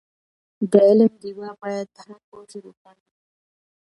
د علم ډېوه باید په هر کور کې روښانه وي.